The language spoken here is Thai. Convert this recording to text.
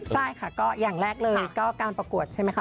ใช่ค่ะก็อย่างแรกเลยก็การประกวดใช่ไหมคะ